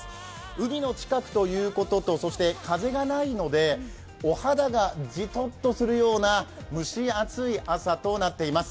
海の近くということと、そして風がないのでお肌がじとっとするような蒸し暑い朝となっています。